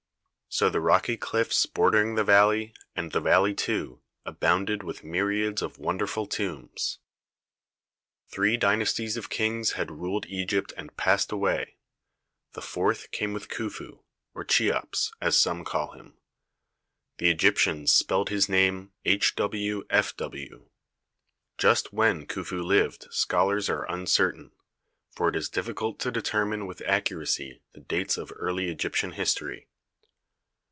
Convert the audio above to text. So the rocky cliffs bordering the valley, and the valley too, abounded with myriads of wonderful tombs. Three dynasties of kings had ruled Egypt and passed away. The fourth came with Khufu, or Cheops, as some call him; the Egyptians spelled his name Hwfw. Just when Khufu lived scholars are uncertain, for it is difficult to determine with accuracy the dates of early Egyptian history.